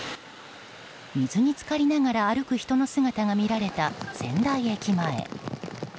水に浸かりながら歩く人の姿が見られた仙台駅前。